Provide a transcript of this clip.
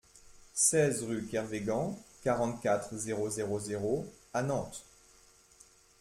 seize rue Kervégan, quarante-quatre, zéro zéro zéro à Nantes